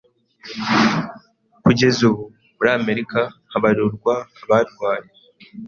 Kugeza ubu muri Amerika habarurwa abarwaye